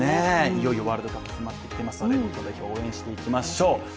いよいよワールドカップ迫ってきていますので日本代表を応援していきましょう。